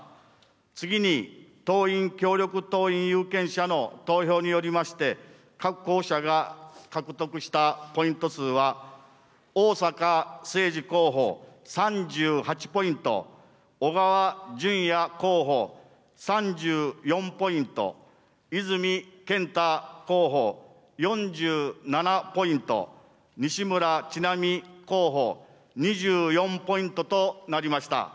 次に、党員・協力党員有権者の投票によりまして、各候補者が獲得したポイント数は、逢坂誠二候補、３８ポイント、小川淳也候補、３４ポイント、泉健太候補、４７ポイント、西村智奈美候補、２４ポイントとなりました。